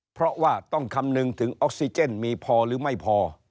เพราะว่าต้องคำนึงถึงออกซิเจนมีพอหรือไม่พอ